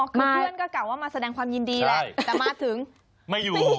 คือเพื่อนก็กล่าวว่ามาแสดงความยินดีแหละแต่มาถึงไม่อยู่